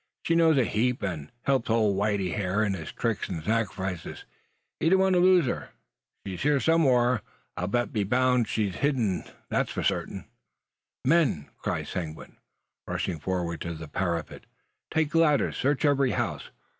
She knows a heap, an' helps ole whitey hyur in his tricks an' sacrifiches. He don't want to lose her. She's hyur somewhur, I'll be boun'; but she ur cached: that's sartin." "Men!" cries Seguin, rushing forward to the parapet, "take ladders! Search every house!